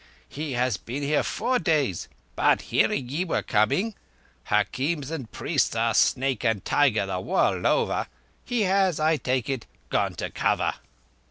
He has been here four days; but hearing ye were coming (hakims and priests are snake and tiger the world over) he has, as I take it, gone to cover."